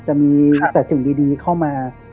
จะมีแต่สิ่งดีเข้ามา